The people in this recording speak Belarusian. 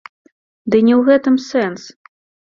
Ды не ў гэтым сэнс!